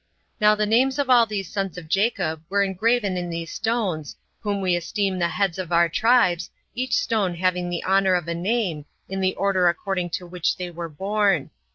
Now the names of all those sons of Jacob were engraven in these stones, whom we esteem the heads of our tribes, each stone having the honor of a name, in the order according to which they were born.